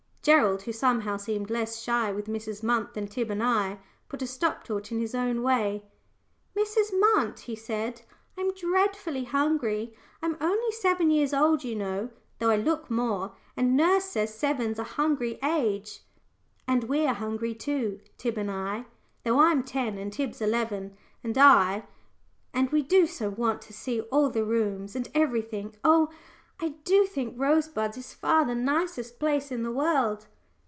Gerald, who somehow seemed less shy with Mrs. Munt than Tib and I, put a stop to it in his own way. "Mrs. Munt," he said, "I'm dreadfully hungry. I'm only seven years old, you know, though I look more; and nurse says seven's a hungry age." "And we're hungry too Tib and I, though I'm ten and Tib's eleven," said I. "And we do so want to see all the rooms and everything. Oh, I do think Rosebuds is far the nicest place in the world."